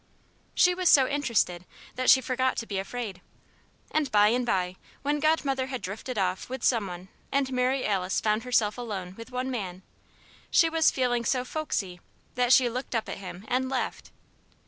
She was so interested that she forgot to be afraid. And by and by when Godmother had drifted off with some one and Mary Alice found herself alone with one man, she was feeling so "folksy" that she looked up at him and laughed.